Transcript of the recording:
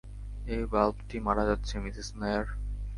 এই বাল্বটি মারা যাচ্ছে, মিসেস নায়ার।